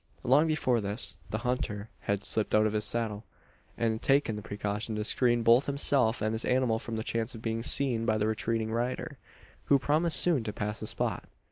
Long before this, the hunter had slipped out of his saddle, and taken the precaution to screen both himself and his animal from the chance of being seen by the retreating rider who promise soon to pass the spot.